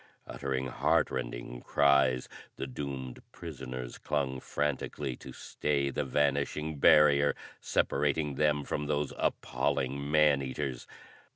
Uttering heart rending cries, the doomed prisoners clung frantically to stay the vanishing barrier separating them from those appalling man eaters.